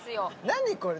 何これ？